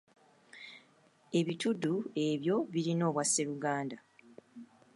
Ebitudu ebyo birina Obwasseruganda?